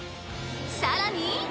さらに！